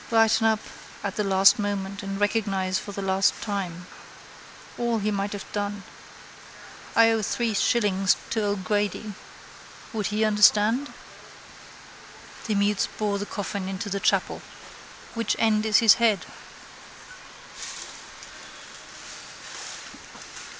Lighten up at the last moment and recognise for the last time. All he might have done. I owe three shillings to O'Grady. Would he understand? The mutes bore the coffin into the chapel. Which end is his head?